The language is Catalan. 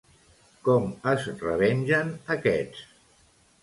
Com es revengen aquests?